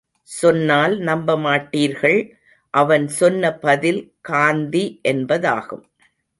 சொன்னால் நம்ப மாட்டீர்கள் அவன் சொன்ன பதில் காந்தி என்பதாகும்.